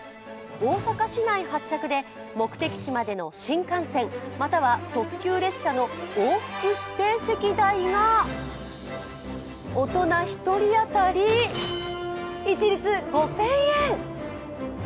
大阪市内発着で目的地までの新幹線または特急列車の往復指定席代が大人１人当たり一律５０００円。